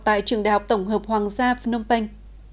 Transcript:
tại trường đại học tổng hợp hoàng gia phnom penh